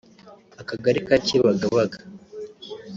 Akagali ka Kibagabaga